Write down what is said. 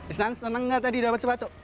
isna senang enggak tadi dapat sepatu